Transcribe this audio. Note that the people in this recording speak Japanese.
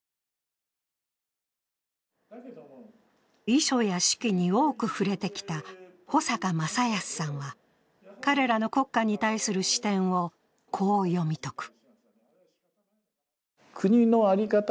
遺書や手記に多く触れてきた保阪正康さんは彼らの国家に対する視点をこう読み解く。